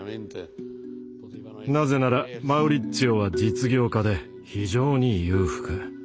なぜならマウリッツィオは実業家で非常に裕福。